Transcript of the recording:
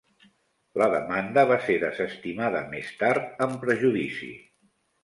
La demanda va ser desestimada més tard amb prejudici.